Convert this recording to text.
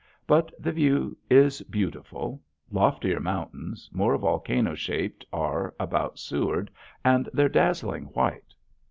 But the view is beautiful. Loftier mountains, more volcano shaped are about Seward, and they're dazzling white.